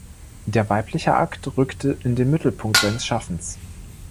Der weibliche Akt rückte in den Mittelpunkt seines Schaffens.